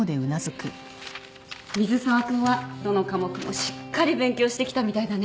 水沢君はどの科目もしっかり勉強してきたみたいだね。